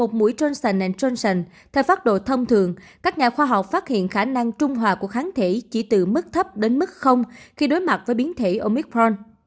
và ở những người tiêm hai mũi pfizer moderna hoặc một mũi johnson johnson theo pháp độ thông thường các nhà khoa học phát hiện khả năng trung hòa của kháng thể chỉ từ mức thấp đến mức khi đối mặt với biến thể omicron